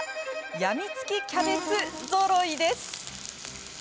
やみつきキャベツぞろいです。